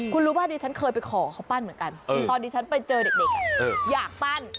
คุณรู้ป่ะดิฉันเคยไปขอเขาปั้นเหมือนกันตอนที่ฉันไปเจอเด็กอยากปั้น